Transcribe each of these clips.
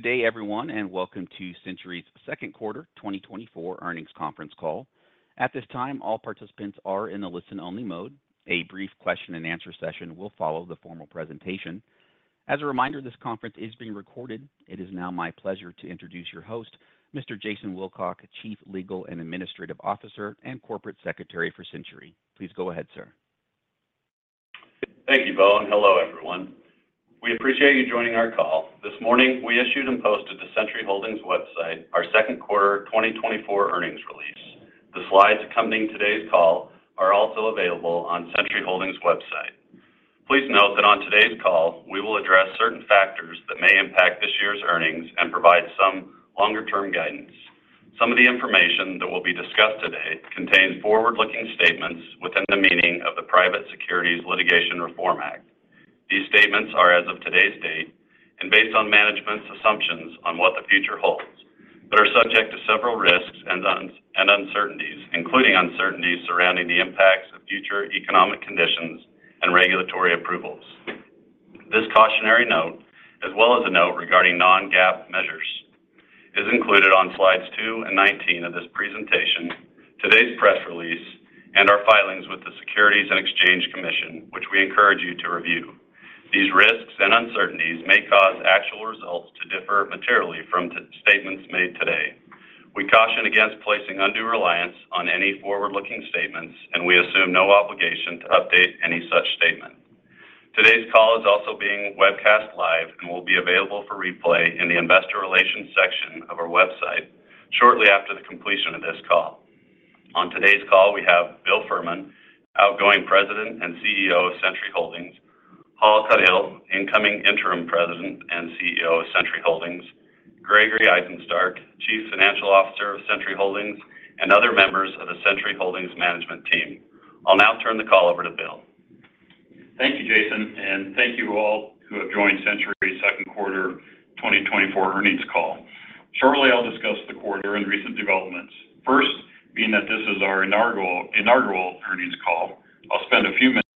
Good day, everyone, and welcome to Centuri's second quarter 2024 earnings conference call. At this time, all participants are in a listen-only mode. A brief question and answer session will follow the formal presentation. As a reminder, this conference is being recorded. It is now my pleasure to introduce your host, Mr. Jason Wilcock, Chief Legal and Administrative Officer and Corporate Secretary for Centuri. Please go ahead, sir. Thank you, Bo, and hello, everyone. We appreciate you joining our call. This morning, we issued and posted to Centuri Holdings website our second quarter 2024 earnings release. The slides accompanying today's call are also available on Centuri Holdings website. Please note that on today's call, we will address certain factors that may impact this year's earnings and provide some longer-term guidance. Some of the information that will be discussed today contains forward-looking statements within the meaning of the Private Securities Litigation Reform Act. These statements are as of today's date and based on management's assumptions on what the future holds, but are subject to several risks and uncertainties, including uncertainties surrounding the impacts of future economic conditions and regulatory approvals. This cautionary note, as well as a note regarding non-GAAP measures, is included on Slides 2 and 19 of this presentation, today's press release, and our filings with the Securities and Exchange Commission, which we encourage you to review. These risks and uncertainties may cause actual results to differ materially from the statements made today. We caution against placing undue reliance on any forward-looking statements, and we assume no obligation to update any such statement. Today's call is also being webcast live and will be available for replay in the investor relations section of our website shortly after the completion of this call. On today's call, we have Bill Fehrman, outgoing President and CEO of Centuri Holdings; Paul Caudill, incoming Interim President and CEO of Centuri Holdings; Gregory Izenstark, Chief Financial Officer of Centuri Holdings, and other members of the Centuri Holdings management team. I'll now turn the call over to Bill. Thank you, Jason, and thank you to all who have joined Centuri's second quarter 2024 earnings call. Shortly, I'll discuss the quarter and recent developments. First, being that this is our inaugural earnings call, I'll spend a few minutes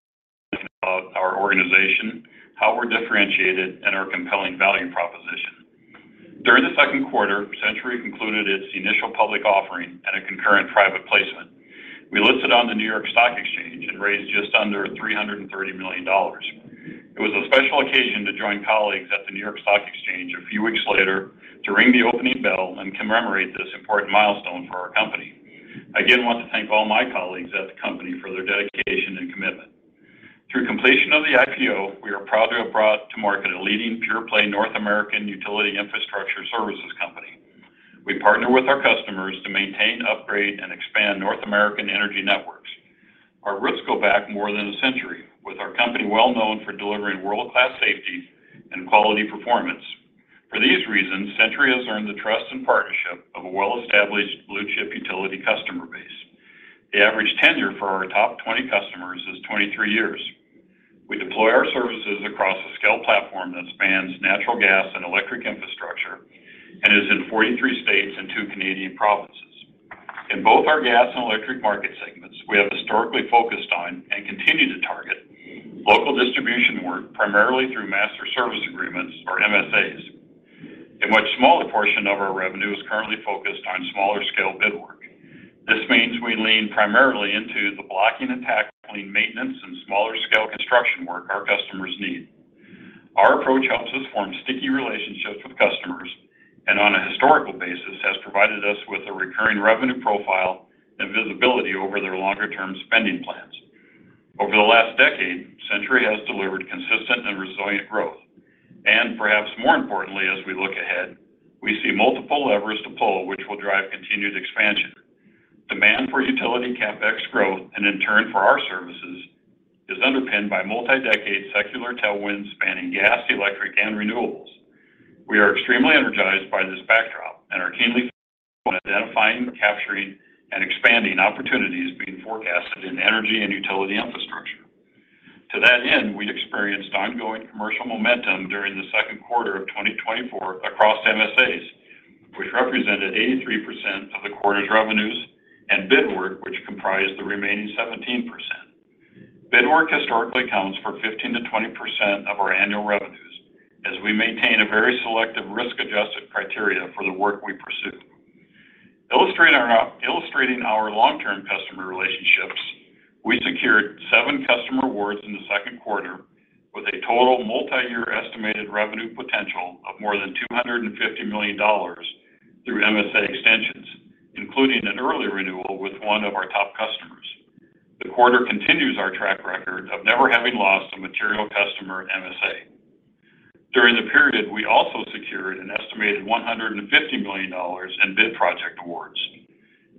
about our organization, how we're differentiated, and our compelling value proposition. During the second quarter, Centuri concluded its initial public offering and a concurrent private placement. We listed on the New York Stock Exchange and raised just under $330 million. It was a special occasion to join colleagues at the New York Stock Exchange a few weeks later to ring the opening bell and commemorate this important milestone for our company. I again want to thank all my colleagues at the company for their dedication and commitment. Through completion of the IPO, we are proud to have brought to market a leading pure-play North American utility infrastructure services company. We partner with our customers to maintain, upgrade, and expand North American energy networks. Our roots go back more than a century, with our company well known for delivering world-class safety and quality performance. For these reasons, Centuri has earned the trust and partnership of a well-established blue-chip utility customer base. The average tenure for our top 20 customers is 23 years. We deploy our services across a scale platform that spans natural gas and electric infrastructure and is in 43 states and two Canadian provinces. In both our gas and electric market segments, we have historically focused on and continue to target local distribution work, primarily through master service agreements or MSAs. A much smaller portion of our revenue is currently focused on smaller-scale bid work. This means we lean primarily into the blocking and tackling maintenance and smaller-scale construction work our customers need. Our approach helps us form sticky relationships with customers and, on a historical basis, has provided us with a recurring revenue profile and visibility over their longer-term spending plans. Over the last decade, Centuri has delivered consistent and resilient growth, and perhaps more importantly, as we look ahead, we see multiple levers to pull, which will drive continued expansion. Demand for utility CapEx growth, and in turn for our services, is underpinned by multi-decade secular tailwinds spanning gas, electric, and renewables. We are extremely energized by this backdrop and are keenly identifying, capturing, and expanding opportunities being forecasted in energy and utility infrastructure. To that end, we experienced ongoing commercial momentum during the second quarter of 2024 across MSAs, which represented 83% of the quarter's revenues, and bid work, which comprised the remaining 17%. Bid work historically accounts for 15%-20% of our annual revenues as we maintain a very selective risk-adjusted criteria for the work we pursue. Illustrating our long-term customer relationships, we secured seven customer awards in the second quarter with a total multi-year estimated revenue potential of more than $250 million through MSA extensions, including an early renewal with one of our top customers. The quarter continues our track record of never having lost a material customer MSA. During the period, we also secured an estimated $150 million in bid project awards.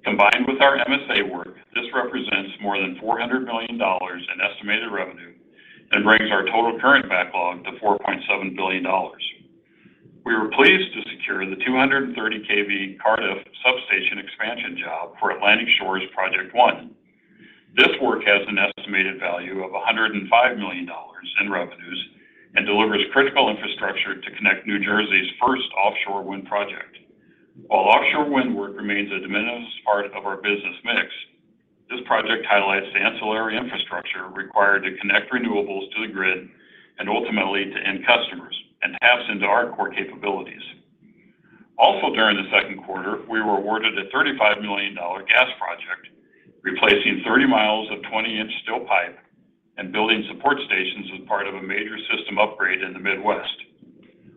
Combined with our MSA work, this represents more than $400 million in estimated revenue and brings our total current backlog to $4.7 billion. We were pleased to secure the 230 kV Cardiff Substation expansion job for Atlantic Shores Project 1. This work has an estimated value of $105 million in revenues and delivers critical infrastructure to connect New Jersey's first offshore wind project. While offshore wind work remains a diminished part of our business mix. This project highlights the ancillary infrastructure required to connect renewables to the grid and ultimately to end customers and taps into our core capabilities. Also, during the second quarter, we were awarded a $35 million gas project, replacing 30 mi of 20-inch steel pipe and building support stations as part of a major system upgrade in the Midwest.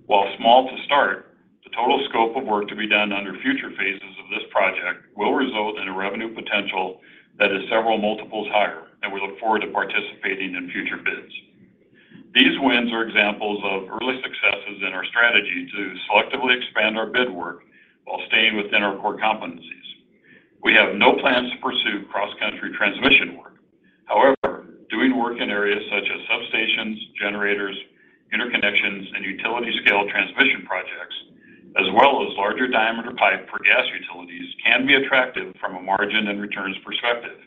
While small to start, the total scope of work to be done under future phases of this project will result in a revenue potential that is several multiples higher, and we look forward to participating in future bids. These wins are examples of early successes in our strategy to selectively expand our bid work while staying within our core competencies. We have no plans to pursue cross-country transmission work. However, doing work in areas such as substations, generators, interconnections, and utility-scale transmission projects, as well as larger diameter pipe for gas utilities, can be attractive from a margin and returns perspective.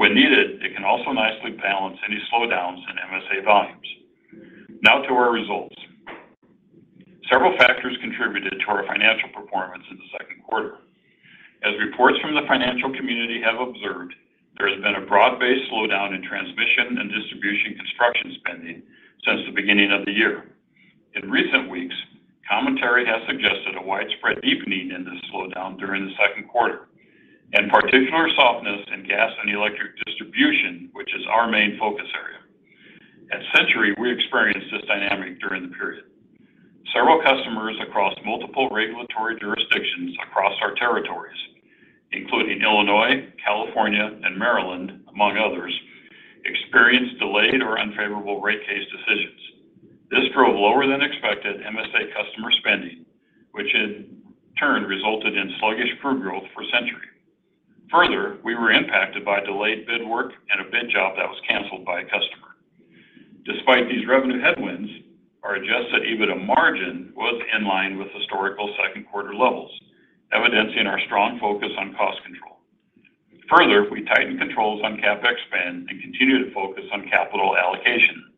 When needed, it can also nicely balance any slowdowns in MSA volumes. Now to our results. Several factors contributed to our financial performance in the second quarter. As reports from the financial community have observed, there has been a broad-based slowdown in transmission and distribution construction spending since the beginning of the year. In recent weeks, commentary has suggested a widespread deepening in this slowdown during the second quarter, and particular softness in gas and electric distribution, which is our main focus area. At Centuri, we experienced this dynamic during the period. Several customers across multiple regulatory jurisdictions across our territories, including Illinois, California, and Maryland, among others, experienced delayed or unfavorable rate case decisions. This drove lower than expected MSA customer spending, which in turn resulted in sluggish revenue growth for Centuri. Further, we were impacted by delayed bid work and a bid job that was canceled by a customer. Despite these revenue headwinds, our Adjusted EBITDA margin was in line with historical second-quarter levels, evidencing our strong focus on cost control. Further, we tightened controls on CapEx spend and continued to focus on capital allocation.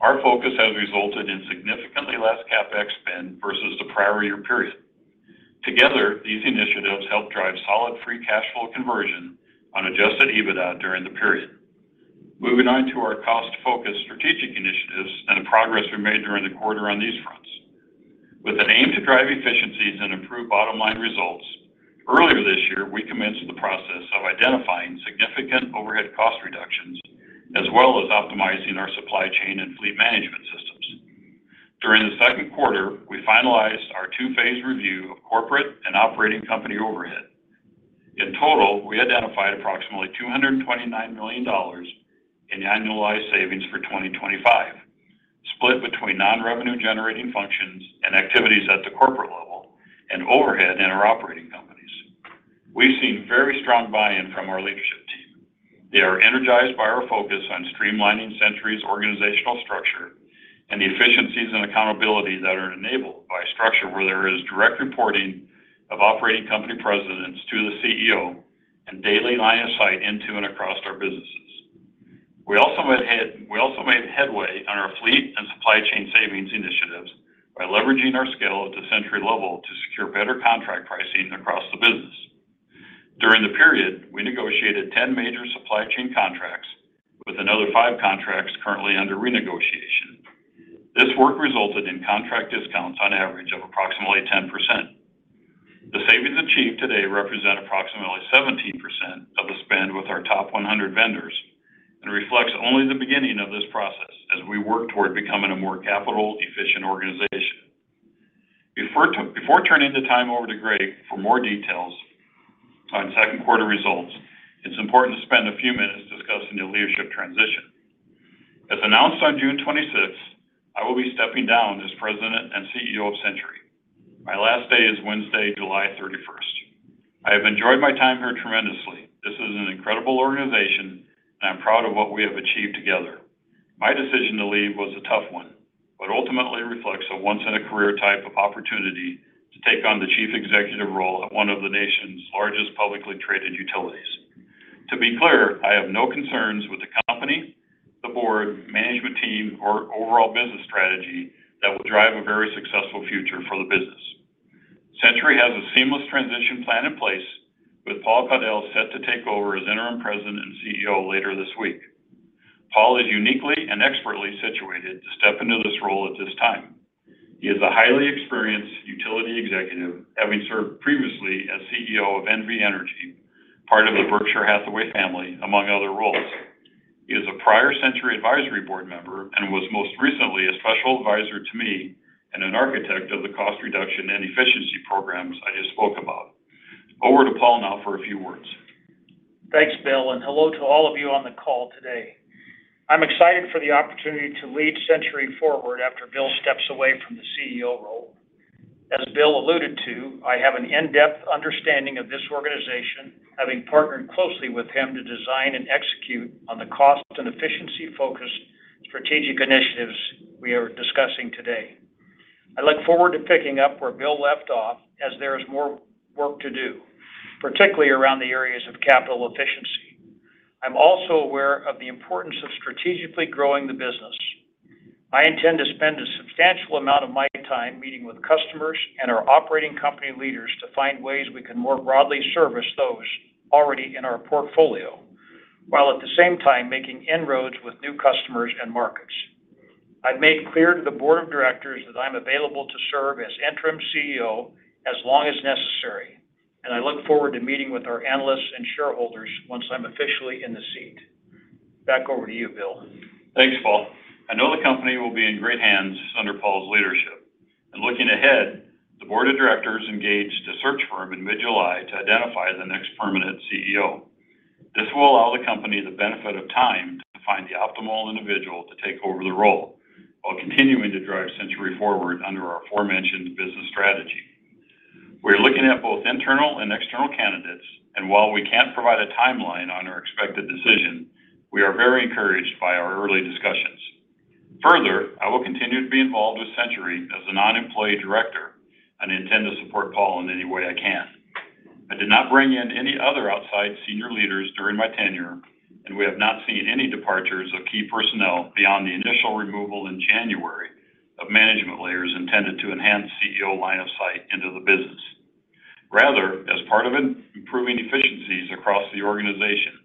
Our focus has resulted in significantly less CapEx spend versus the prior year period. Together, these initiatives helped drive solid Free Cash Flow conversion on Adjusted EBITDA during the period. Moving on to our cost-focused strategic initiatives and the progress we made during the quarter on these fronts. With an aim to drive efficiencies and improve bottom-line results, earlier this year, we commenced the process of identifying significant overhead cost reductions, as well as optimizing our supply chain and fleet management systems. During the second quarter, we finalized our two-phase review of corporate and operating company overhead. In total, we identified approximately $229 million in annualized savings for 2025, split between non-revenue-generating functions and activities at the corporate level and overhead in our operating companies. We've seen very strong buy-in from our leadership team. They are energized by our focus on streamlining Centuri's organizational structure and the efficiencies and accountability that are enabled by a structure where there is direct reporting of operating company presidents to the CEO and daily line of sight into and across our businesses. We also made headway on our fleet and supply chain savings initiatives by leveraging our scale at the Centuri level to secure better contract pricing across the business. During the period, we negotiated 10 major supply chain contracts, with another five contracts currently under renegotiation. This work resulted in contract discounts on average of approximately 10%. The savings achieved today represent approximately 17% of the spend with our top 100 vendors and reflects only the beginning of this process as we work toward becoming a more capital-efficient organization. Before turning the time over to Greg for more details on second quarter results, it's important to spend a few minutes discussing the leadership transition. As announced on June 26th, I will be stepping down as President and CEO of Centuri. My last day is Wednesday, July 31st. I have enjoyed my time here tremendously. This is an incredible organization, and I'm proud of what we have achieved together. My decision to leave was a tough one, but ultimately reflects a once-in-a-career type of opportunity to take on the Chief Executive role at one of the nation's largest publicly traded utilities. To be clear, I have no concerns with the company, the board, management team, or overall business strategy that will drive a very successful future for the business. Centuri has a seamless transition plan in place, with Paul Caudill set to take over as Interim President and CEO later this week. Paul is uniquely and expertly situated to step into this role at this time. He is a highly experienced utility executive, having served previously as CEO of NV Energy, part of the Berkshire Hathaway family, among other roles. He is a prior Centuri advisory board member and was most recently a special advisor to me and an architect of the cost reduction and efficiency programs I just spoke about. Over to Paul now for a few words. Thanks, Bill, and hello to all of you on the call today. I'm excited for the opportunity to lead Centuri forward after Bill steps away from the CEO role. As Bill alluded to, I have an in-depth understanding of this organization, having partnered closely with him to design and execute on the cost and efficiency-focused strategic initiatives we are discussing today. I look forward to picking up where Bill left off as there is more work to do, particularly around the areas of capital efficiency. I'm also aware of the importance of strategically growing the business. I intend to spend a substantial amount of my time meeting with customers and our operating company leaders to find ways we can more broadly service those already in our portfolio, while at the same time making inroads with new customers and markets. I've made clear to the board of directors that I'm available to serve as interim CEO as long as necessary, and I look forward to meeting with our analysts and shareholders once I'm officially in the seat. Back over to you, Bill. Thanks, Paul. I know the company will be in great hands under Paul's leadership. Looking ahead, the board of directors engaged a search firm in mid-July to identify the next permanent CEO. This will allow the company the benefit of time to find the optimal individual to take over the role, while continuing to drive Centuri forward under our aforementioned business strategy. We're looking at both internal and external candidates, and while we can't provide a timeline on our expected decision, we are very encouraged by our early discussions. Further, I will continue to be involved with Centuri as a non-employee director, and intend to support Paul in any way I can. I did not bring in any other outside senior leaders during my tenure, and we have not seen any departures of key personnel beyond the initial removal in January of management layers intended to enhance CEO line of sight into the business. Rather, as part of an improving efficiencies across the organization,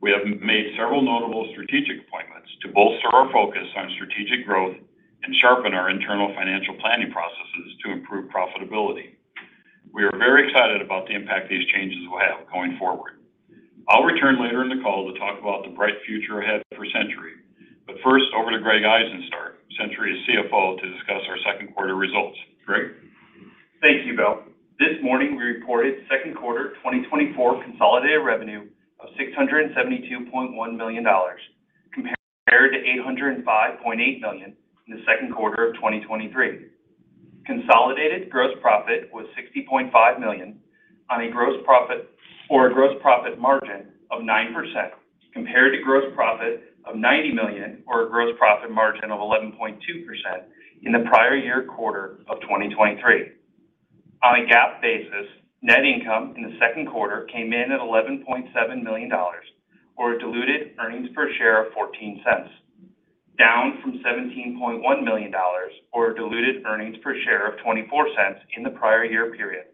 we have made several notable strategic appointments to bolster our focus on strategic growth and sharpen our internal financial planning processes to improve profitability. We are very excited about the impact these changes will have going forward. I'll return later in the call to talk about the bright future ahead for Centuri. But first, over to Greg Izenstark, Centuri's CFO, to discuss our second quarter results. Greg? Thank you, Bill. This morning, we reported second quarter 2024 consolidated revenue of $672.1 million, compared to $805.8 million in the second quarter of 2023. Consolidated gross profit was $60.5 million on a gross profit or a gross profit margin of 9%, compared to gross profit of $90 million or a gross profit margin of 11.2% in the prior year quarter of 2023. On a GAAP basis, net income in the second quarter came in at $11.7 million or diluted earnings per share of $0.14, down from $17.1 million or diluted earnings per share of $0.24 in the prior year period.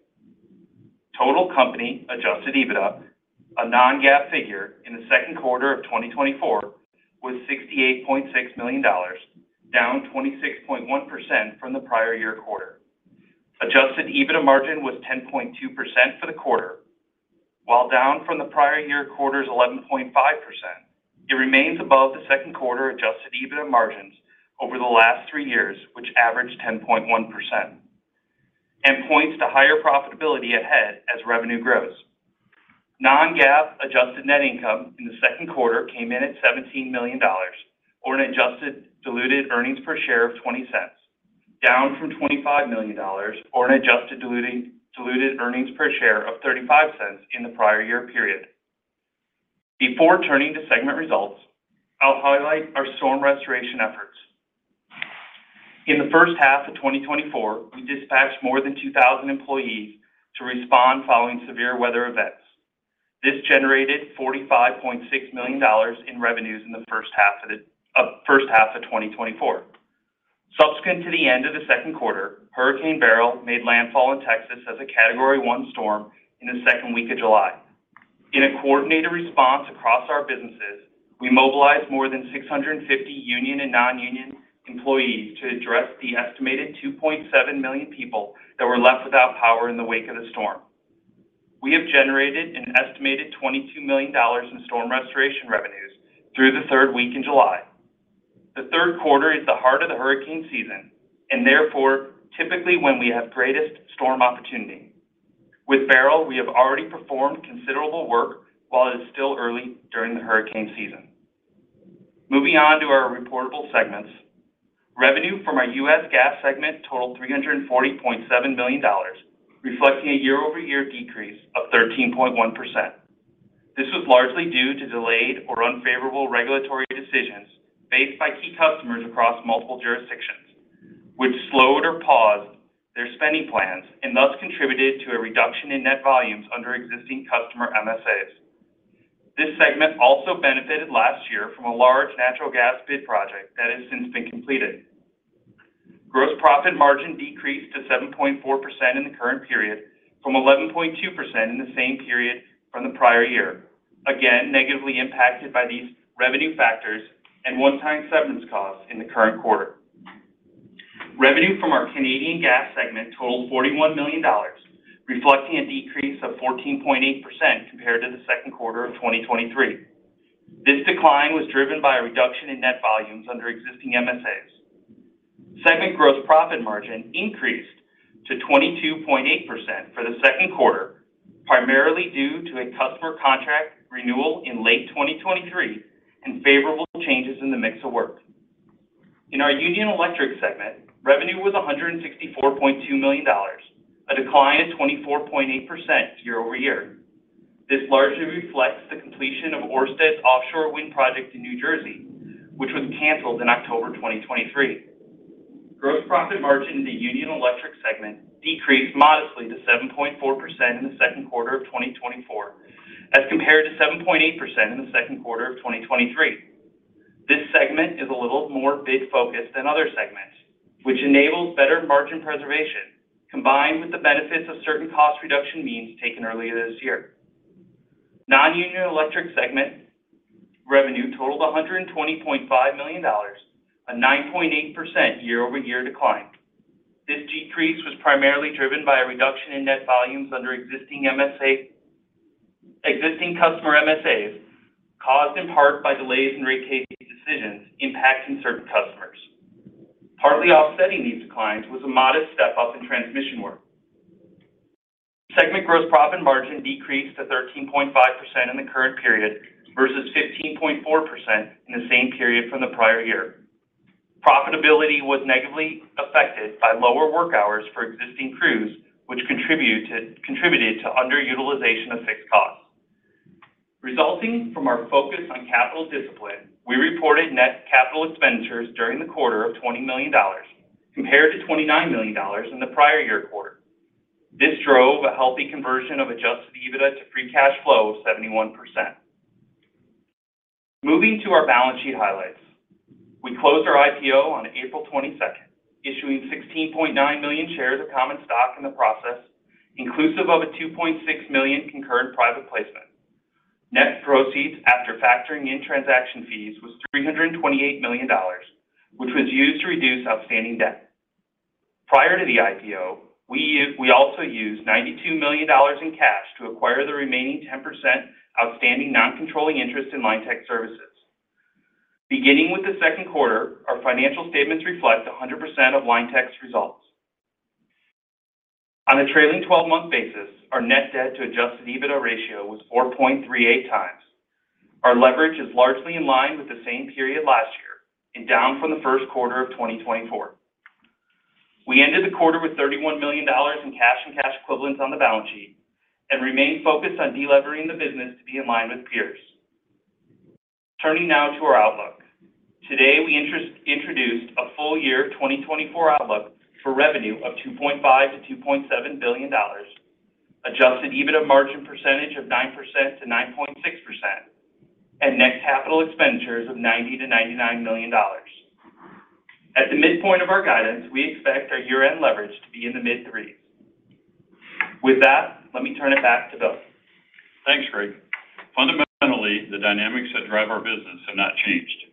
Total company Adjusted EBITDA, a non-GAAP figure in the second quarter of 2024, was $68.6 million, down 26.1% from the prior year quarter. Adjusted EBITDA margin was 10.2% for the quarter. While down from the prior year quarter's 11.5%, it remains above the second quarter adjusted EBITDA margins over the last three years, which averaged 10.1%, and points to higher profitability ahead as revenue grows. Non-GAAP adjusted net income in the second quarter came in at $17 million or an adjusted diluted earnings per share of $0.20, down from $25 million or an adjusted diluted earnings per share of $0.35 in the prior year period. Before turning to segment results, I'll highlight our storm restoration efforts. In the first half of 2024, we dispatched more than 2,000 employees to respond following severe weather events. This generated $45.6 million in revenues in the first half of the first half of 2024. Subsequent to the end of the second quarter, Hurricane Beryl made landfall in Texas as a Category 1 storm in the second week of July. In a coordinated response across our businesses, we mobilized more than 650 union and non-union employees to address the estimated 2.7 million people that were left without power in the wake of the storm. We have generated an estimated $22 million in storm restoration revenues through the third week in July. The third quarter is the heart of the hurricane season, and therefore, typically when we have greatest storm opportunity. With Beryl, we have already performed considerable work while it is still early during the hurricane season. Moving on to our reportable segments. Revenue from our U.S. Gas segment totaled $340.7 million, reflecting a year-over-year decrease of 13.1%. This was largely due to delayed or unfavorable regulatory decisions faced by key customers across multiple jurisdictions, which slowed or paused their spending plans and thus contributed to a reduction in net volumes under existing customer MSAs. This segment also benefited last year from a large natural gas bid project that has since been completed. Gross profit margin decreased to 7.4% in the current period from 11.2% in the same period from the prior year, again, negatively impacted by these revenue factors and one-time severance costs in the current quarter. Revenue from our Canadian Gas segment totaled $41 million, reflecting a decrease of 14.8% compared to the second quarter of 2023. This decline was driven by a reduction in net volumes under existing MSAs. Segment gross profit margin increased to 22.8% for the second quarter, primarily due to a customer contract renewal in late 2023 and favorable changes in the mix of work. In our Union Electric segment, revenue was $164.2 million, a decline of 24.8% year-over-year. This largely reflects the completion of Orsted's offshore wind project in New Jersey, which was canceled in October 2023. Gross profit margin in the Union Electric segment decreased modestly to 7.4% in the second quarter of 2024, as compared to 7.8% in the second quarter of 2023. This segment is a little more bid-focused than other segments, which enables better margin preservation, combined with the benefits of certain cost reduction means taken earlier this year. Non-Union Electric segment revenue totaled $120.5 million, a 9.8% year-over-year decline. This decrease was primarily driven by a reduction in net volumes under existing customer MSAs, caused in part by delays in rate case decisions impacting certain customers. Partly offsetting these declines was a modest step-up in transmission work. Segment gross profit margin decreased to 13.5% in the current period versus 15.4% in the same period from the prior year. Profitability was negatively affected by lower work hours for existing crews, which contributed to underutilization of fixed costs. Resulting from our focus on capital discipline, we reported net capital expenditures during the quarter of $20 million, compared to $29 million in the prior year quarter. This drove a healthy conversion of adjusted EBITDA to free cash flow of 71%. Moving to our balance sheet highlights. We closed our IPO on April 22nd, issuing 16.9 million shares of common stock in the process, inclusive of a 2.6 million concurrent private placement. Net proceeds, after factoring in transaction fees, was $328 million, which was used to reduce outstanding debt. Prior to the IPO, we also used $92 million in cash to acquire the remaining 10% outstanding non-controlling interest in Linetec Services. Beginning with the second quarter, our financial statements reflect 100% of Linetec's results. On a trailing twelve-month basis, our net debt to adjusted EBITDA ratio was 4.38x. Our leverage is largely in line with the same period last year and down from the first quarter of 2024. We ended the quarter with $31 million in cash and cash equivalents on the balance sheet and remain focused on delevering the business to be in line with peers. Turning now to our outlook. Today, we introduced a full year 2024 outlook for revenue of $2.5 billion-$2.7 billion, adjusted EBITDA margin percentage of 9%-9.6%, and net capital expenditures of $90 million-$99 million. At the midpoint of our guidance, we expect our year-end leverage to be in the mid-threes. With that, let me turn it back to Bill. Thanks, Greg. Fundamentally, the dynamics that drive our business have not changed.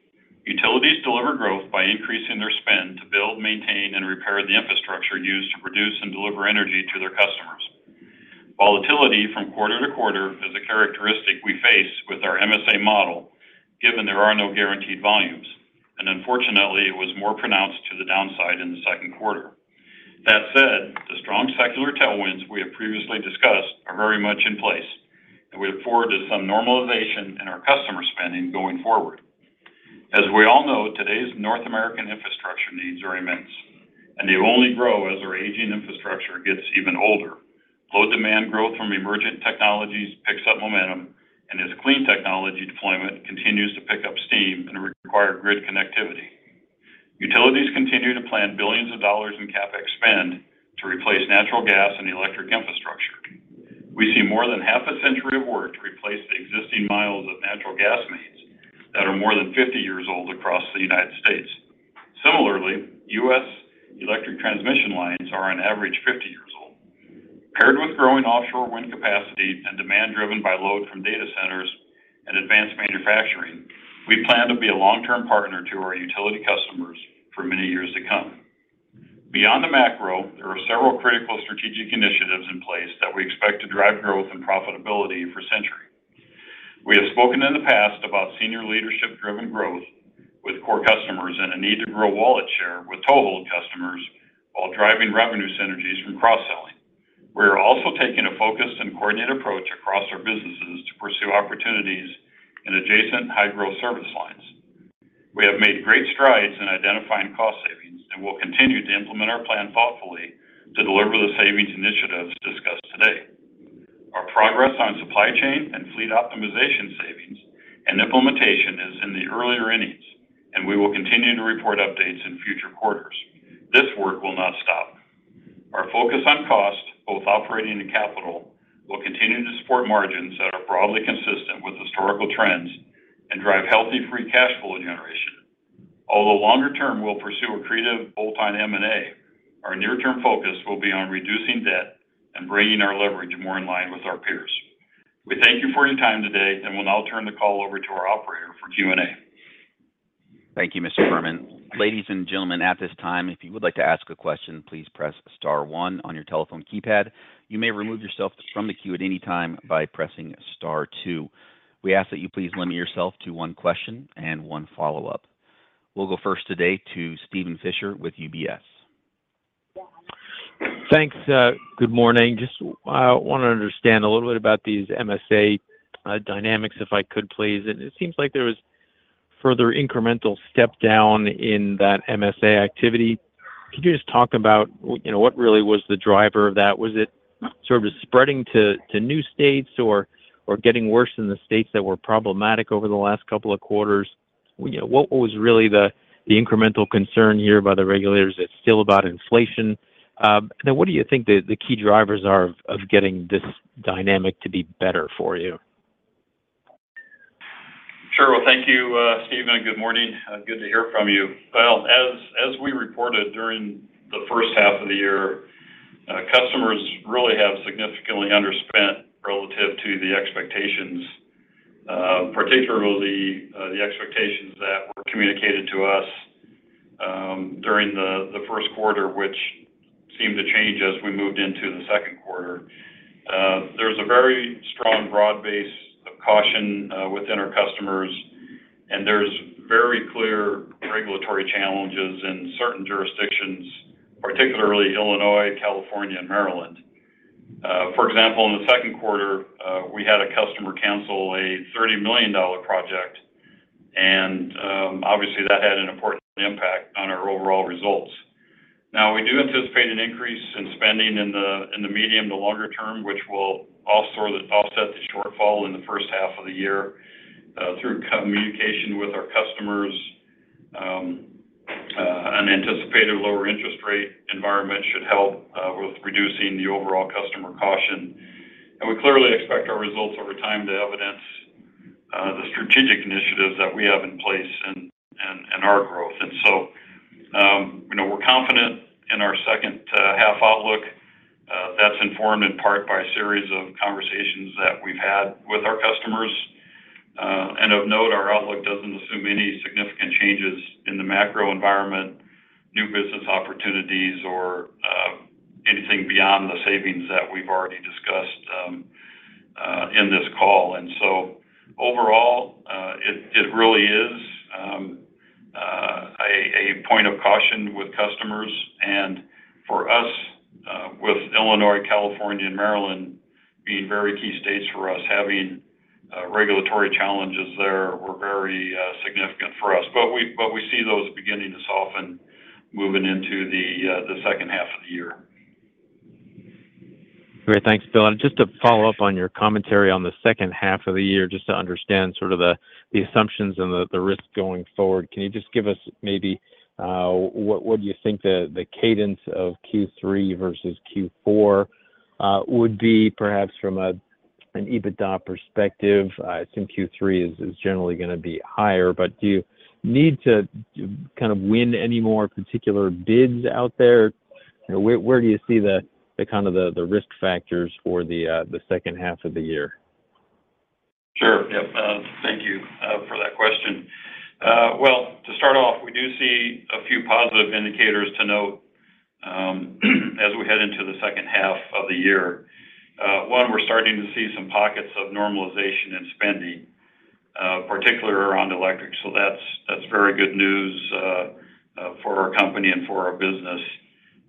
Utilities deliver growth by increasing their spend to build, maintain, and repair the infrastructure used to produce and deliver energy to their customers. Volatility from quarter to quarter is a characteristic we face with our MSA model, given there are no guaranteed volumes, and unfortunately, it was more pronounced to the downside in the second quarter. That said, the strong secular tailwinds we have previously discussed are very much in place, and we look forward to some normalization in our customer spending going forward. As we all know, today's North American infrastructure needs are immense, and they only grow as our aging infrastructure gets even older. Load demand growth from emergent technologies picks up momentum, and as clean technology deployment continues to pick up steam and require grid connectivity. Utilities continue to plan billions dollars in CapEx spend to replace natural gas and electric infrastructure. We see more than half a centuri of work to replace the existing miles of natural gas mains that are more than 50 years old across the United States. Similarly, U.S. electric transmission lines are on average 50 years old. Paired with growing offshore wind capacity and demand driven by load from data centers and advanced manufacturing, we plan to be a long-term partner to our utility customers for many years to come. Beyond the macro, there are several critical strategic initiatives in place that we expect to drive growth and profitability for Centuri. We have spoken in the past about senior leadership-driven growth with core customers and a need to grow wallet share with total customers while driving revenue synergies from cross-selling. We are also taking a focused and coordinated approach across our businesses to pursue opportunities in adjacent high-growth service lines. We have made great strides in identifying cost savings and will continue to implement our plan thoughtfully to deliver the savings initiatives discussed today. Our progress on supply chain and fleet optimization savings and implementation is in the earlier innings, and we will continue to report updates in future quarters. This work will not stop. Our focus on cost, both operating and capital, will continue to support margins that are broadly consistent with historical trends and drive healthy free cash flow generation. Although longer term, we'll pursue accretive bolt-on M&A, our near-term focus will be on reducing debt and bringing our leverage more in line with our peers. We thank you for your time today, and we'll now turn the call over to our operator for Q&A. Thank you, Mr. Fehrman. Ladies and gentlemen, at this time, if you would like to ask a question, please press star one on your telephone keypad. You may remove yourself from the queue at any time by pressing star two. We ask that you please limit yourself to one question and one follow-up. We'll go first today to Steven Fisher with UBS. Thanks. Good morning. Just, I want to understand a little bit about these MSA dynamics, if I could, please. It seems like there was further incremental step down in that MSA activity. Could you just talk about, you know, what really was the driver of that? Was it sort of spreading to new states or... or getting worse in the states that were problematic over the last couple of quarters? You know, what was really the incremental concern here by the regulators? It's still about inflation. And then what do you think the key drivers are of getting this dynamic to be better for you? Sure. Well, thank you, Steven, and good morning. Good to hear from you. Well, as we reported during the first half of the year, customers really have significantly underspent relative to the expectations, particularly the expectations that were communicated to us, during the first quarter, which seemed to change as we moved into the second quarter. There's a very strong broad base of caution within our customers, and there's very clear regulatory challenges in certain jurisdictions, particularly Illinois, California, and Maryland. For example, in the second quarter, we had a customer cancel a $30 million project, and obviously, that had an important impact on our overall results. Now, we do anticipate an increase in spending in the medium to longer term, which will also offset the shortfall in the first half of the year through communication with our customers. An anticipated lower interest rate environment should help with reducing the overall customer caution. We clearly expect our results over time to evidence the strategic initiatives that we have in place and our growth. So, you know, we're confident in our second half outlook. That's informed in part by a series of conversations that we've had with our customers. Of note, our outlook doesn't assume any significant changes in the macro environment, new business opportunities, or anything beyond the savings that we've already discussed in this call. And so overall, it really is a point of caution with customers. And for us, with Illinois, California, and Maryland being very key states for us, having regulatory challenges there were very significant for us. But we see those beginning to soften moving into the second half of the year. Great. Thanks, Bill. And just to follow up on your commentary on the second half of the year, just to understand sort of the assumptions and the risks going forward, can you just give us maybe what do you think the cadence of Q3 versus Q4 would be, perhaps from an EBITDA perspective? I think Q3 is generally going to be higher, but do you need to kind of win any more particular bids out there? Where do you see the kind of risk factors for the second half of the year? Sure. Yep. Thank you for that question. Well, to start off, we do see a few positive indicators to note as we head into the second half of the year. One, we're starting to see some pockets of normalization in spending, particularly around electric. So that's, that's very good news for our company and for our business.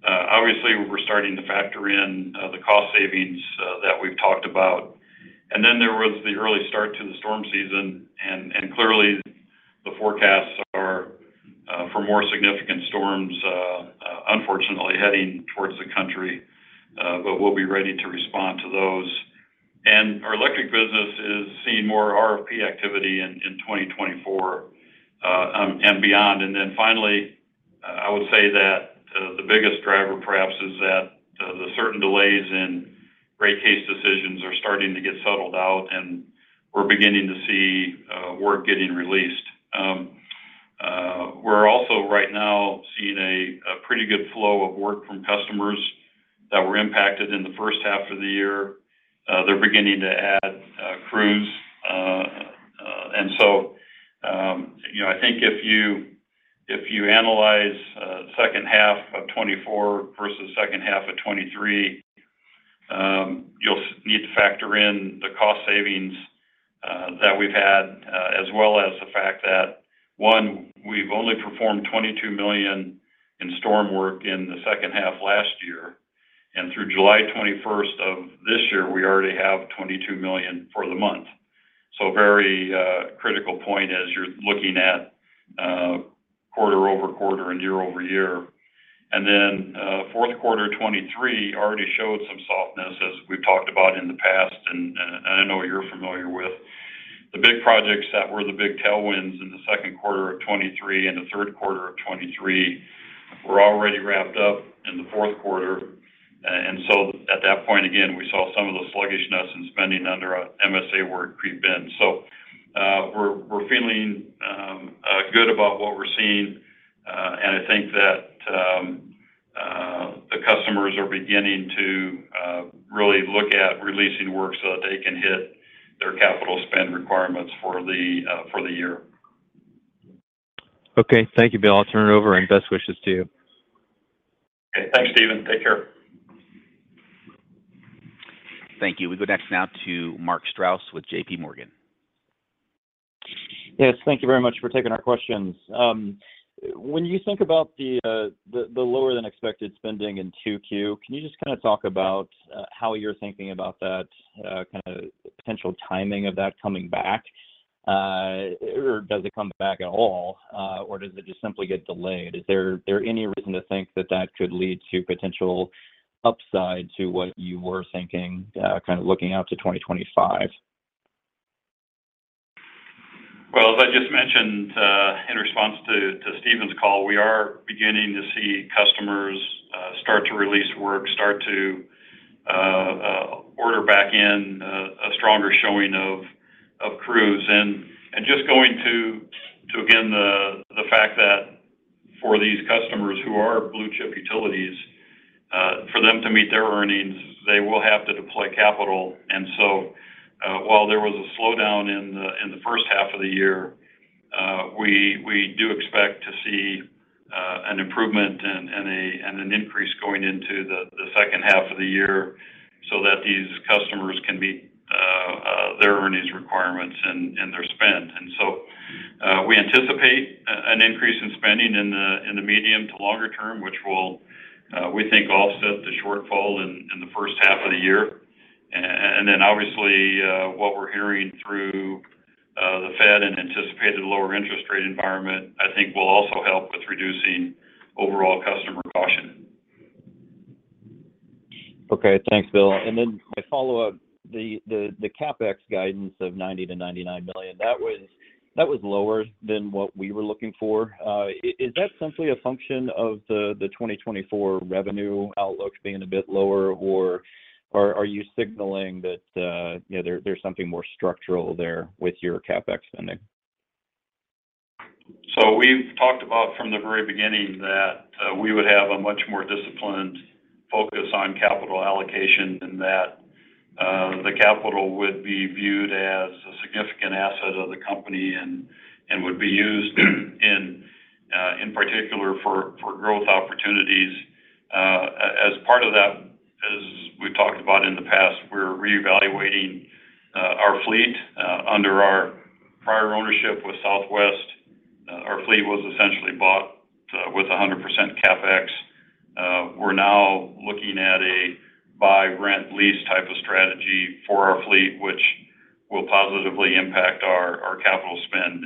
Obviously, we're starting to factor in the cost savings that we've talked about. And then there was the early start to the storm season, and clearly, the forecasts are for more significant storms, unfortunately, heading towards the country, but we'll be ready to respond to those. And our electric business is seeing more RFP activity in 2024 and beyond. Then finally, I would say that the biggest driver, perhaps, is that the certain delays in rate case decisions are starting to get settled out, and we're beginning to see work getting released. We're also right now seeing a pretty good flow of work from customers that were impacted in the first half of the year. They're beginning to add crews. And so, you know, I think if you analyze second half of 2024 versus second half of 2023, you'll need to factor in the cost savings that we've had, as well as the fact that, one, we've only performed $22 million in storm work in the second half last year, and through July 21 of this year, we already have $22 million for the month. So very, critical point as you're looking at, quarter-over-quarter and year-over-year. And then, fourth quarter 2023 already showed some softness, as we've talked about in the past, and, I know you're familiar with. The big projects that were the big tailwinds in the second quarter of 2023 and the third quarter of 2023 were already wrapped up in the fourth quarter. And so at that point, again, we saw some of the sluggishness in spending under our MSA work creep in. So, we're feeling good about what we're seeing, and I think that, the customers are beginning to really look at releasing work so that they can hit their capital spend requirements for the, for the year. Okay. Thank you, Bill. I'll turn it over, and best wishes to you. Okay. Thanks, Steven. Take care. Thank you. We go next now to Mark Strouse with J.P. Morgan. Yes, thank you very much for taking our questions. When you think about the lower-than-expected spending in 2Q, can you just kind of talk about how you're thinking about that kind of potential timing of that coming back? Or does it come back at all, or does it just simply get delayed? Is there any reason to think that that could lead to potential upside to what you were thinking, kind of looking out to 2025? Well, as I just mentioned, in response to Steven's call, we are beginning to see customers start to release work, start to order back in, a stronger showing of crews. And just going to again, the fact that for these customers who are blue-chip utilities, for them to meet their earnings, they will have to deploy capital. And so, while there was a slowdown in the first half of the year, we do expect to see an improvement and an increase going into the second half of the year so that these customers can meet their earnings requirements and their spend. And so, we anticipate an increase in spending in the medium to longer term, which will, we think, offset the shortfall in the first half of the year. And then, obviously, what we're hearing through the Fed and anticipated lower interest rate environment, I think will also help with reducing overall customer caution. Okay. Thanks, Bill. And then my follow-up, the CapEx guidance of $90 million-$99 million, that was lower than what we were looking for. Is that simply a function of the 2024 revenue outlook being a bit lower, or are you signaling that, you know, there's something more structural there with your CapEx spending? So we've talked about from the very beginning that we would have a much more disciplined focus on capital allocation, and that the capital would be viewed as a significant asset of the company and would be used in particular for growth opportunities. As part of that, as we've talked about in the past, we're reevaluating our fleet. Under our prior ownership with Southwest, our fleet was essentially bought with 100% CapEx. We're now looking at a buy-rent lease type of strategy for our fleet, which will positively impact our capital spend.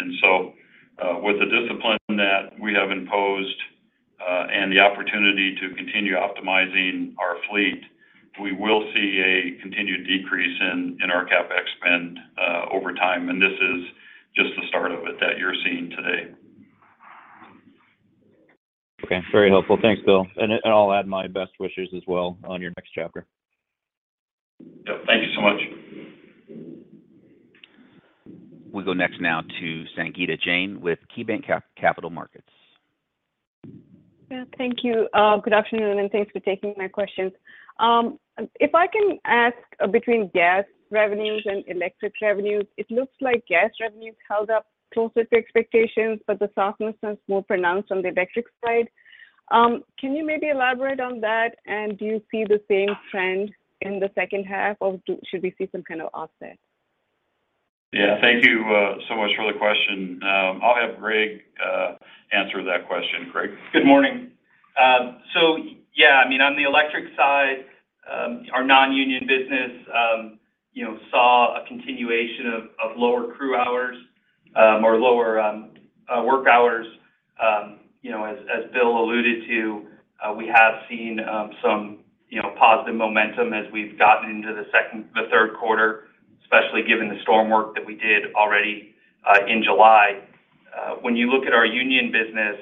With the discipline that we have imposed, and the opportunity to continue optimizing our fleet, we will see a continued decrease in our CapEx spend over time, and this is just the start of it that you're seeing today. Okay. Very helpful. Thanks, Bill. And I'll add my best wishes as well on your next chapter. Yep. Thank you so much. We go next now to Sangita Jain with KeyBanc Capital Markets. Yeah, thank you. Good afternoon, and thanks for taking my questions. If I can ask between gas revenues and electric revenues, it looks like gas revenues held up closer to expectations, but the softness is more pronounced on the electric side. Can you maybe elaborate on that? And do you see the same trend in the second half, or should we see some kind of offset? Yeah. Thank you so much for the question. I'll have Greg answer that question. Greg? Good morning. So yeah, I mean, on the electric side, our non-union business, you know, saw a continuation of lower crew hours, or lower work hours. You know, as Bill alluded to, we have seen some, you know, positive momentum as we've gotten into the second - the third quarter, especially given the storm work that we did already in July. When you look at our union business,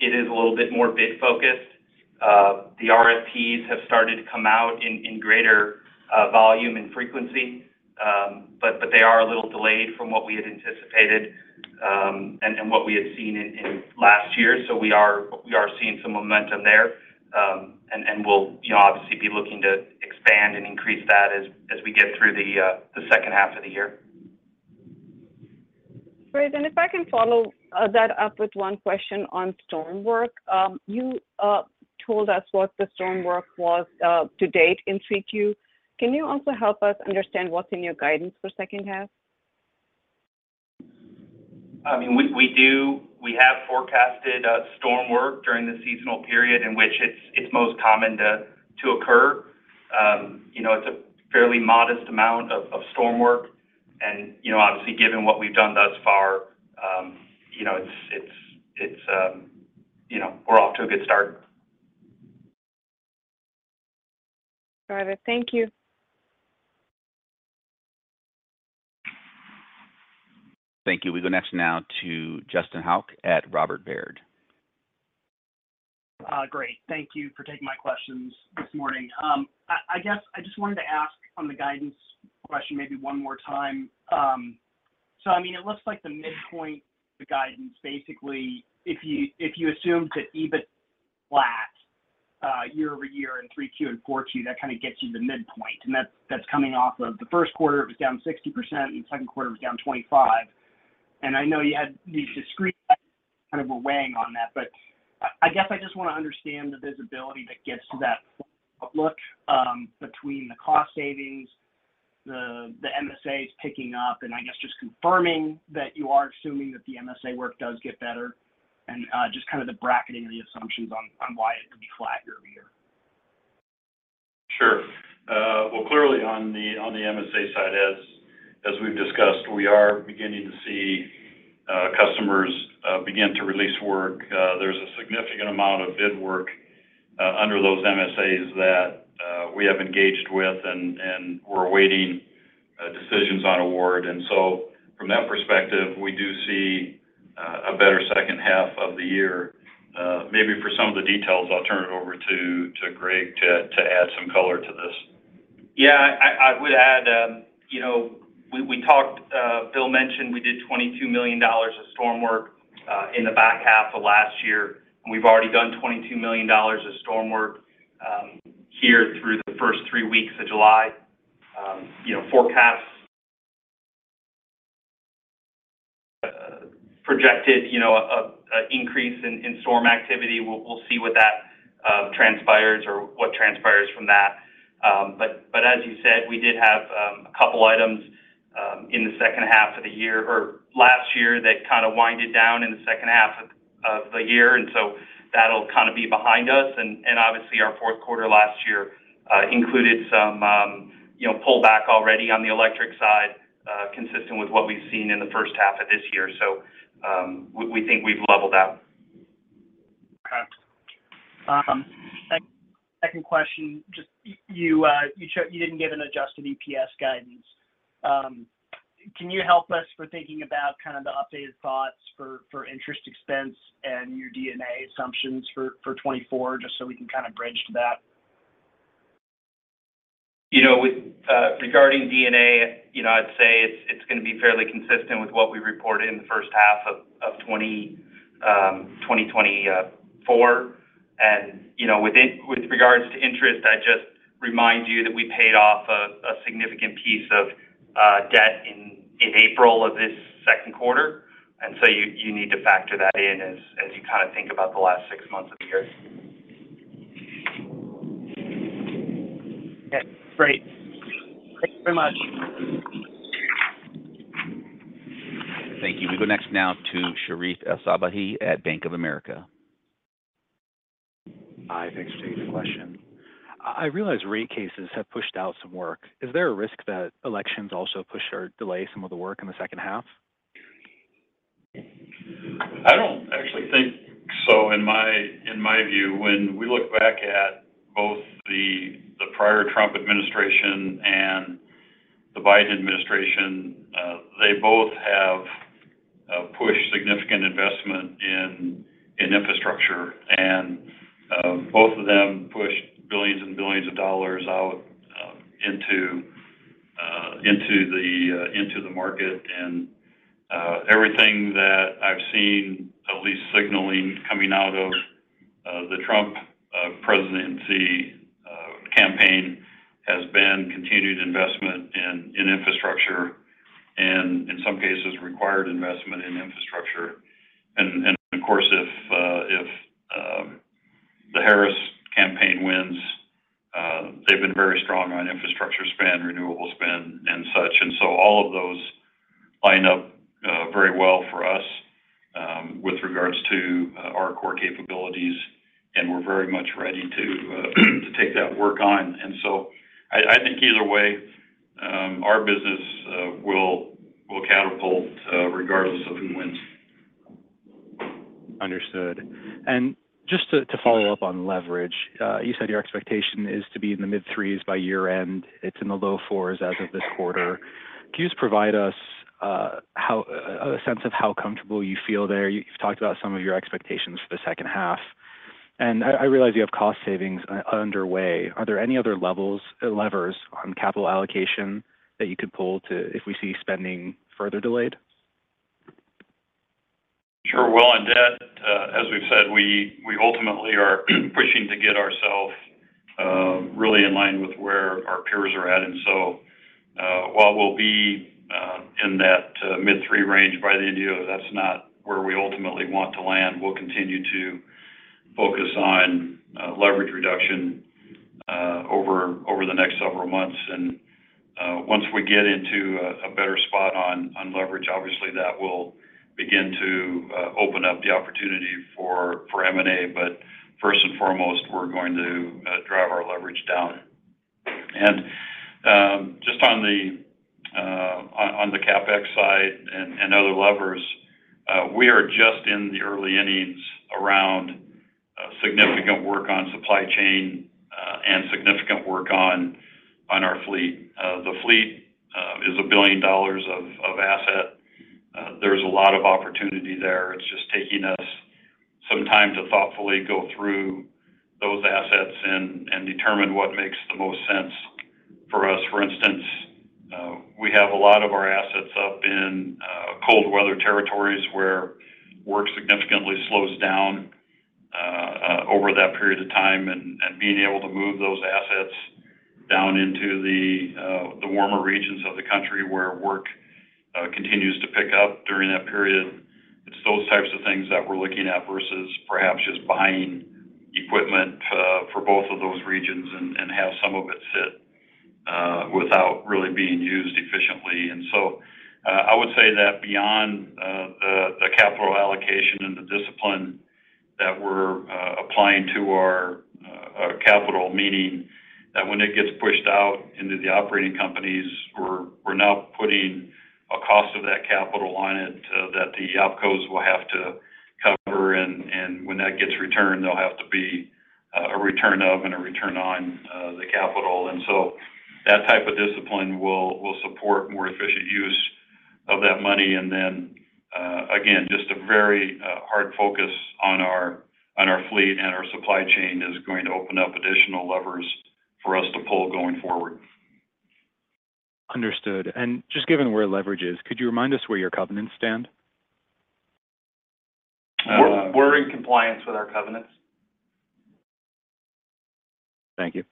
it is a little bit more bid-focused. The RFPs have started to come out in greater volume and frequency, but they are a little delayed from what we had anticipated, and what we had seen in last year. We are seeing some momentum there, and we'll, you know, obviously, be looking to expand and increase that as we get through the second half of the year. Great. And if I can follow that up with one question on storm work. You told us what the storm work was to date in Q3. Can you also help us understand what's in your guidance for second half? I mean, we do have forecasted storm work during the seasonal period in which it's most common to occur. You know, it's a fairly modest amount of storm work and, you know, obviously, given what we've done thus far, you know, it's... You know, we're off to a good start. All right. Thank you. Thank you. We go next now to Justin Hauke at Robert W. Baird. Great. Thank you for taking my questions this morning. I guess I just wanted to ask on the guidance question maybe one more time. So I mean, it looks like the midpoint, the guidance, basically, if you assume that EBIT flat year-over-year in Q3 and Q4, that kind of gets you the midpoint, and that's coming off of the first quarter, it was down 60%, and the second quarter was down 25%. I know you had these discrete kind of a weighing on that, but I guess I just want to understand the visibility that gets to that outlook, between the cost savings, the MSAs picking up, and I guess just confirming that you are assuming that the MSA work does get better and just kind of the bracketing of the assumptions on why it would be flat year-over-year. Well, clearly on the MSA side, as we've discussed, we are beginning to see customers begin to release work. There's a significant amount of bid work under those MSAs that we have engaged with, and we're awaiting decisions on award. And so from that perspective, we do see a better second half of the year. Maybe for some of the details, I'll turn it over to Greg to add some color to this. Yeah, I would add, you know, we talked—Bill mentioned we did $22 million of storm work in the back half of last year, and we've already done $22 million of storm work here through the first three weeks of July. You know, forecasts projected, you know, an increase in storm activity. We'll see what that transpires or what transpires from that. But as you said, we did have a couple items in the second half of the year or last year that kind of wound down in the second half of the year, and so that'll kind of be behind us. Obviously, our fourth quarter last year included some, you know, pullback already on the electric side, consistent with what we've seen in the first half of this year. So, we think we've leveled out. Okay. Second question, just to check, you didn't give an adjusted EPS guidance. Can you help us for thinking about kind of the updated thoughts for interest expense and your D&A assumptions for 2024, just so we can kind of bridge to that? You know, with regard to D&A, you know, I'd say it's, it's gonna be fairly consistent with what we reported in the first half of 2024. And, you know, with regard to interest, I just remind you that we paid off a significant piece of debt in April of this second quarter, and so you need to factor that in as you kind of think about the last six months of the year. Okay, great. Thank you very much. Thank you. We go next now to Sherif El-Sabbahy at Bank of America. Hi, thanks for taking the question. I realize rate cases have pushed out some work. Is there a risk that elections also push or delay some of the work in the second half? I don't actually think so. In my view, when we look back at both the prior Trump administration and the Biden administration, they both have pushed significant investment in infrastructure, and both of them pushed billions and billions of dollars out into the market. And everything that I've seen, at least signaling coming out of the Trump presidency campaign, has been continued investment in infrastructure and in some cases, required investment in infrastructure. And of course, if the Harris campaign wins, they've been very strong on infrastructure spend, renewable spend, and such. And so all of those line up very well for us with regards to our core capabilities, and we're very much ready to take that work on. And so I think either way, our business will catapult, regardless of who wins. Understood. And just to follow up on leverage, you said your expectation is to be in the mid-threes by year-end. It's in the low fours as of this quarter. Can you just provide us a sense of how comfortable you feel there? You've talked about some of your expectations for the second half, and I realize you have cost savings underway. Are there any other levers on capital allocation that you could pull to if we see spending further delayed? Sure. Well, on debt, as we've said, we ultimately are pushing to get ourselves really in line with where our peers are at. And so, while we'll be in that mid-three range by the end of the year, that's not where we ultimately want to land. We'll continue to focus on leverage reduction over the next several months. And once we get into a better spot on leverage, obviously that will begin to open up the opportunity for M&A. But first and foremost, we're going to drive our leverage down. And just on the CapEx side and other levers, we are just in the early innings around significant work on supply chain and significant work on our fleet. The fleet is a $1 billion of asset. There's a lot of opportunity there. It's just taking us some time to thoughtfully go through those assets and determine what makes the most sense for us. For instance, we have a lot of our assets up in cold weather territories, where work significantly slows down over that period of time, and being able to move those assets down into the warmer regions of the country, where work continues to pick up during that period. It's those types of things that we're looking at versus perhaps just buying equipment for both of those regions and have some of it sit without really being used efficiently. And so, I would say that beyond the capital allocation and the discipline that we're applying to our capital, meaning that when it gets pushed out into the operating companies, we're now putting a cost of that capital on it that the OpCos will have to cover, and when that gets returned, there'll have to be a return of and a return on the capital. And so that type of discipline will support more efficient use of that money. And then, again, just a very hard focus on our fleet and our supply chain is going to open up additional levers for us to pull going forward. Understood. And just given where leverage is, could you remind us where your covenants stand? We're in compliance with our covenants. Thank you.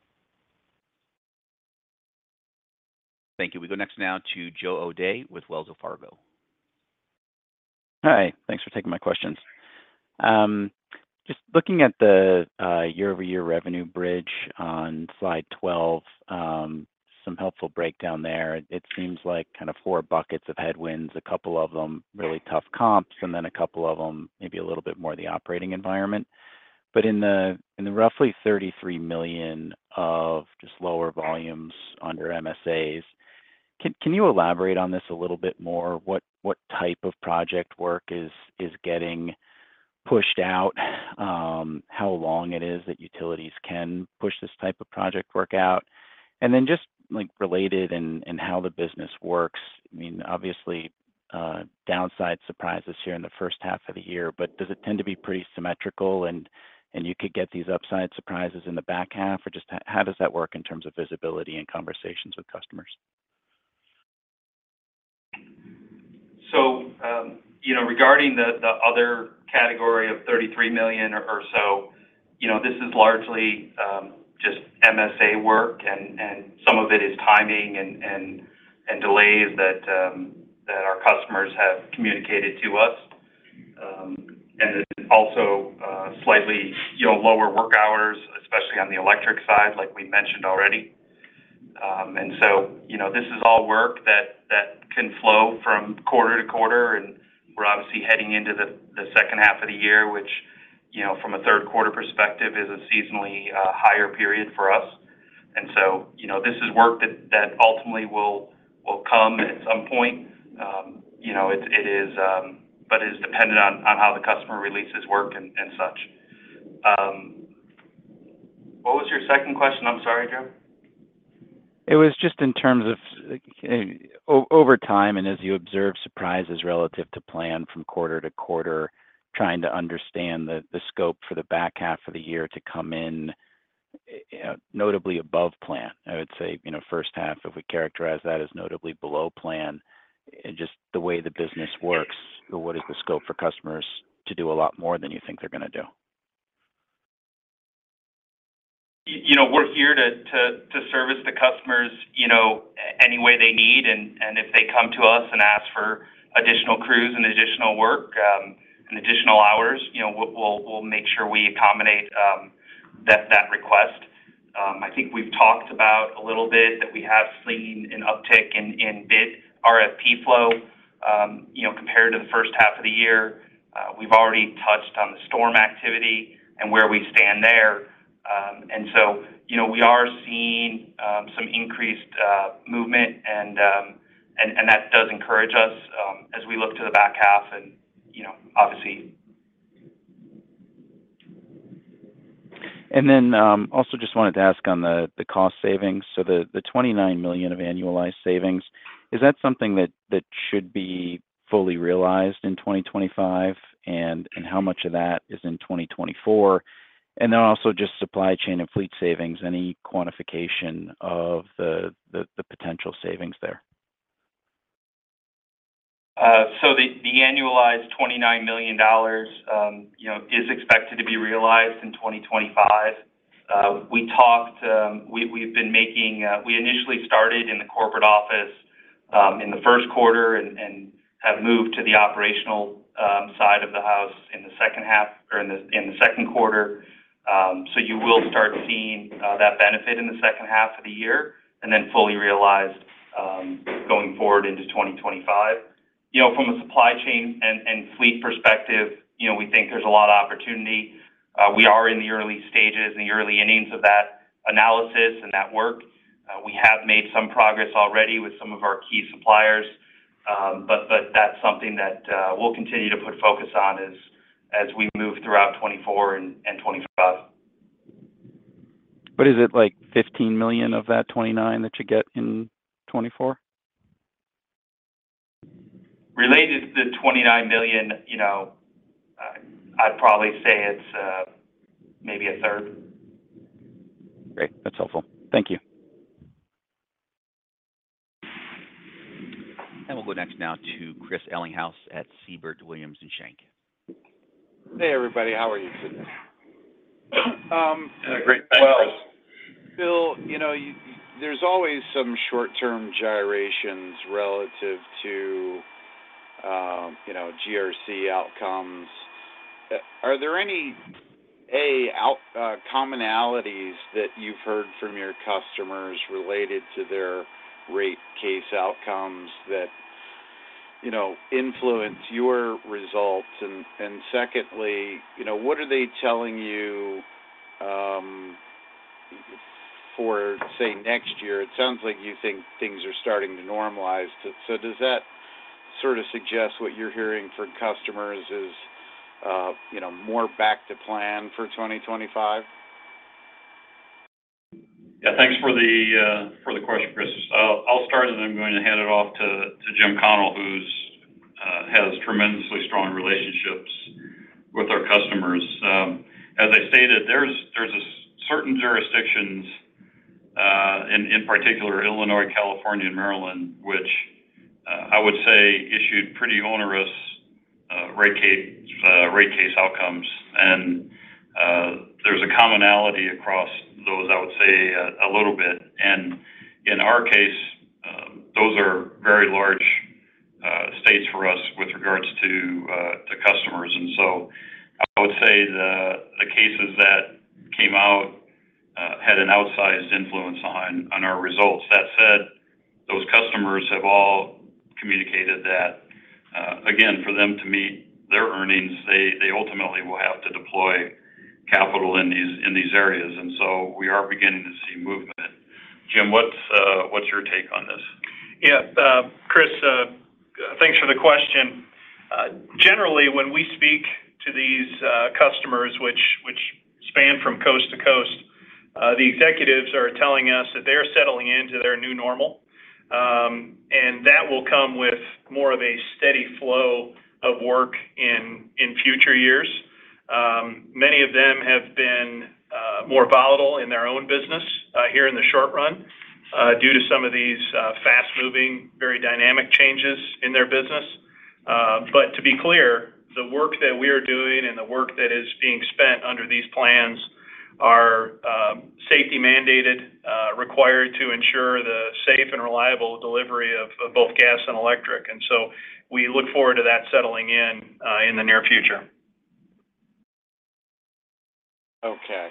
Thank you. We go next now to Joe O'Dea with Wells Fargo. Hi, thanks for taking my questions. Just looking at the year-over-year revenue bridge on Slide 12, some helpful breakdown there. It seems like kind of four buckets of headwinds, a couple of them really tough comps, and then a couple of them, maybe a little bit more the operating environment. But in the roughly $33 million of just lower volumes under MSAs, can you elaborate on this a little bit more? What type of project work is getting pushed out? How long it is that utilities can push this type of project work out? And then just, like, related and how the business works, I mean, obviously, downside surprises here in the first half of the year, but does it tend to be pretty symmetrical and you could get these upside surprises in the back half? Or just how does that work in terms of visibility and conversations with customers? So, you know, regarding the other category of $33 million or so, you know, this is largely just MSA work, and some of it is timing and delays that our customers have communicated to us. And it's also slightly, you know, lower work hours, especially on the electric side, like we mentioned already. And so, you know, this is all work that can flow from quarter to quarter, and we're obviously heading into the second half of the year, which, you know, from a third quarter perspective, is a seasonally higher period for us. And so, you know, this is work that ultimately will come at some point. You know, it is... but it is dependent on how the customer releases work and such. What was your second question? I'm sorry, Joe. It was just in terms of over time, and as you observe, surprises relative to plan from quarter to quarter, trying to understand the scope for the back half of the year to come in notably above plan. I would say, you know, first half, if we characterize that, is notably below plan. And just the way the business works, what is the scope for customers to do a lot more than you think they're going to do? You know, we're here to service the customers, you know, any way they need, and if they come to us and ask for additional crews and additional work, and additional hours, you know, we'll make sure we accommodate that request. I think we've talked about a little bit, that we have seen an uptick in bid RFP flow, you know, compared to the first half of the year. We've already touched on the storm activity and where we stand there. And so, you know, we are seeing some increased movement and that does encourage us, as we look to the back half and, you know, obviously. And then, also just wanted to ask on the cost savings. So the $29 million of annualized savings, is that something that should be fully realized in 2025? And how much of that is in 2024? And then also just supply chain and fleet savings, any quantification of the potential savings there? So the annualized $29 million, you know, is expected to be realized in 2025. We talked. We've been making. We initially started in the corporate office in the first quarter and have moved to the operational side of the house in the second half or in the second quarter. So you will start seeing that benefit in the second half of the year, and then fully realized going forward into 2025. You know, from a supply chain and fleet perspective, you know, we think there's a lot of opportunity. We are in the early stages and the early innings of that analysis and that work. We have made some progress already with some of our key suppliers, but that's something that we'll continue to put focus on as we move throughout 2024 and 2025. But is it, like, $15 million of that $29 million that you get in 2024? Related to the $29 million, you know, I'd probably say it's maybe a third. Great. That's helpful. Thank you. We'll go next now to Chris Ellinghaus at Siebert Williams Shank. Hey, everybody. How are you today? Great. Well, Bill, you know, there's always some short-term gyrations relative to, you know, GRC outcomes. Are there any commonalities that you've heard from your customers related to their rate case outcomes that you know, influence your results? And secondly, you know, what are they telling you for, say, next year? It sounds like you think things are starting to normalize. So does that sort of suggest what you're hearing from customers is, you know, more back to plan for 2025? Yeah. Thanks for the question, Chris. I'll start, and then I'm going to hand it off to Jim Connell, who has tremendously strong relationships with our customers. As I stated, there's a certain jurisdictions in particular, Illinois, California, and Maryland, which I would say issued pretty onerous rate case outcomes. And there's a commonality across those, I would say a little bit. And in our case, those are very large states for us with regards to the customers. And so I would say the cases that came out had an outsized influence on our results. That said, those customers have all communicated that, again, for them to meet their earnings, they, they ultimately will have to deploy capital in these, in these areas, and so we are beginning to see movement. Jim, what's, what's your take on this? Yeah. Chris, thanks for the question. Generally, when we speak to these customers which span from coast to coast, the executives are telling us that they're settling into their new normal. And that will come with more of a steady flow of work in future years. Many of them have been more volatile in their own business here in the short run due to some of these fast-moving, very dynamic changes in their business. But to be clear, the work that we are doing and the work that is being spent under these plans are safety mandated, required to ensure the safe and reliable delivery of both gas and electric. And so we look forward to that settling in in the near future. Okay.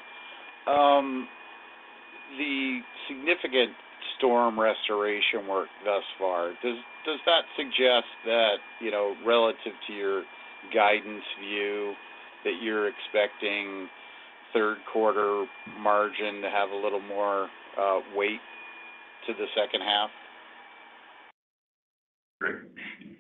The significant storm restoration work thus far, does that suggest that, you know, relative to your guidance view, that you're expecting third quarter margin to have a little more weight to the second half?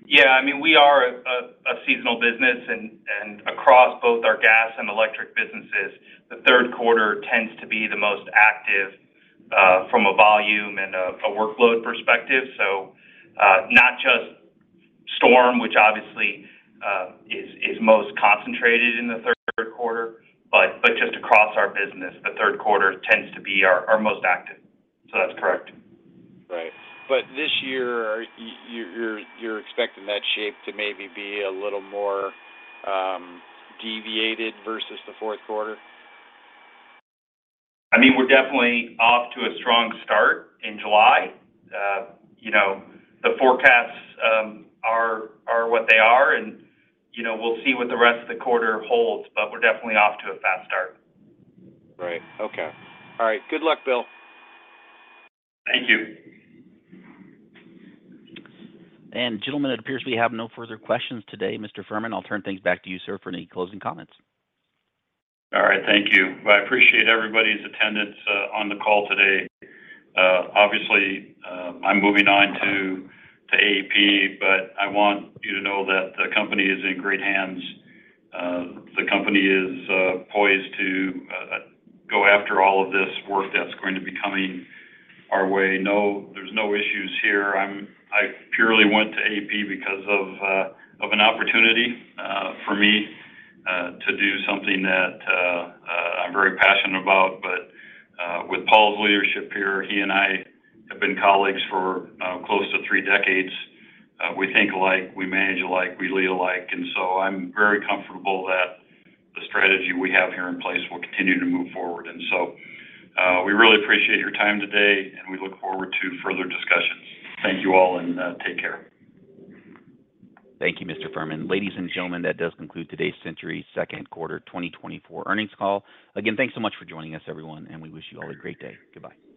Yeah. I mean, we are a seasonal business and across both our gas and electric businesses, the third quarter tends to be the most active, from a volume and a workload perspective. So, not just storm, which obviously, is most concentrated in the third quarter, but just across our business, the third quarter tends to be our most active. So that's correct. Right. But this year, you're expecting that shape to maybe be a little more deviated versus the fourth quarter? I mean, we're definitely off to a strong start in July. You know, the forecasts are what they are, and, you know, we'll see what the rest of the quarter holds, but we're definitely off to a fast start. Right. Okay. All right. Good luck, Bill. Thank you. Gentlemen, it appears we have no further questions today. Mr. Fehrman, I'll turn things back to you, sir, for any closing comments. All right. Thank you. I appreciate everybody's attendance on the call today. Obviously, I'm moving on to AEP, but I want you to know that the company is in great hands. The company is poised to go after all of this work that's going to be coming our way. No, there's no issues here. I purely went to AEP because of an opportunity for me to do something that I'm very passionate about. But with Paul's leadership here, he and I have been colleagues for close to three decades. We think alike, we manage alike, we lead alike, and so I'm very comfortable that the strategy we have here in place will continue to move forward. And so we really appreciate your time today, and we look forward to further discussions. Thank you all, and take care. Thank you, Mr. Fehrman. Ladies and gentlemen, that does conclude today's Centuri second quarter 2024 earnings call. Again, thanks so much for joining us, everyone, and we wish you all a great day. Goodbye.